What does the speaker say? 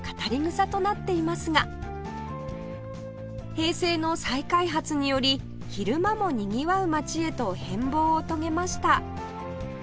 平成の再開発により昼間もにぎわう街へと変貌を遂げました